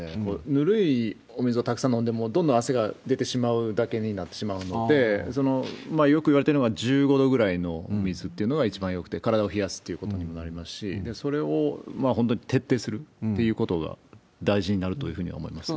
ぬるいお水をたくさん飲んで、もうどんどん汗が出てしまうだけになってしまうので、よくいわれてるのが１５度くらいのお水っていうのが一番よくて、体を冷やすってことにもなりますし、それを本当に徹底するということが大事になるというふうに思います。